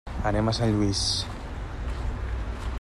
Anem a Sant Lluís.